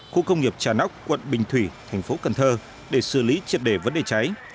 khu công nghiệp trà nóc quận bình thủy thành phố cần thơ để xử lý triệt đề vấn đề cháy